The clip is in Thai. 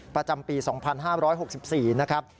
ประจำปี๒๕๖๔นะครับ